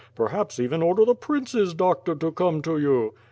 Perhaps even order the prince's doctor to come to you?"